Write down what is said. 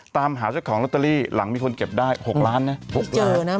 ตามหาเจ้าของลอตเตอรี่หลังมีคนเก็บได้๖ล้านนะ๖ล้าน